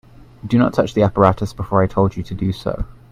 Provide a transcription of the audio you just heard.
Do not touch the apparatus before I told you to do so.